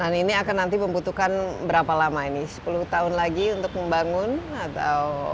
dan ini akan nanti membutuhkan berapa lama ini sepuluh tahun lagi untuk membangun atau